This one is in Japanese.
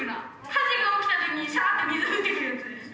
火事が起きた時にシャーって水降ってくるやつです。